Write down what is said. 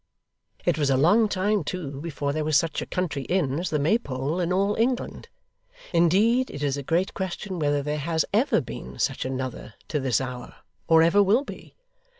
It was a long time, too, before there was such a country inn as the Maypole, in all England: indeed it is a great question whether there has ever been such another to this hour, or ever will be.